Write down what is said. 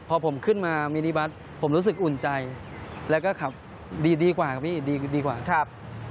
พอผมขึ้นมามิลลิบัตรผมรู้สึกอุ่นใจแล้วก็ขับดีกว่าครับพี่